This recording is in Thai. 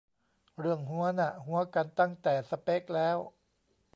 เรื่องฮั้วน่ะ ฮั้วกันตั้งแต่สเป็คแล้ว